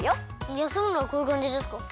やすむのはこういうかんじですか？